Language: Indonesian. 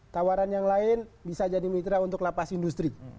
tawaran yang lain bisa jadi mitra untuk lapas industri